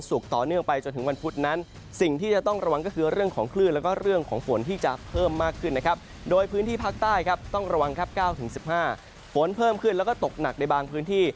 ตกเท่าถึง๑๕ฝนเพิ่มขึ้นแล้วก็ตกหนักในบางพื้นที่